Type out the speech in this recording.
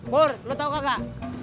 pur lo tau gak